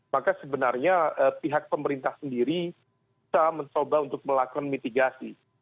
maka sebenarnya pihak pemerintah sendiri bisa mencoba untuk melakukan mitigasi